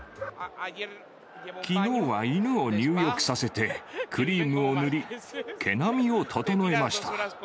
きのうは犬を入浴させて、クリームを塗り、毛並みを整えました。